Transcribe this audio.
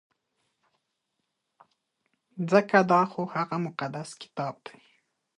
ځکه دا خو هغه مقدس کتاب دی.